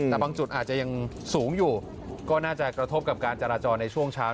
แต่บางจุดอาจจะยังสูงอยู่ก็น่าจะกระทบกับการจราจรในช่วงเช้า